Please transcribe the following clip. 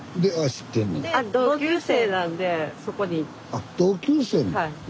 あっ同級生？